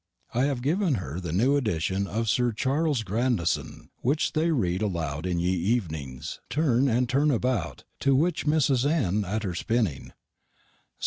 I hav given her the new edishun of Sir Charls Grandisson, wich they read alowde in ye evenings, turn and turn about, to Mrs. N. at her spinning.